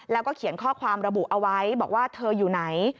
แล้วก็เขียนข้อความระบุเอาไว้บอกว่าเธออยู่ไหน